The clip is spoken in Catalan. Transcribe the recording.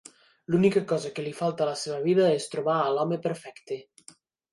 L'única cosa que li falta a la seva vida és trobar a l'home perfecte.